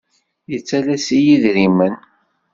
Yettalas-iyi idrimen.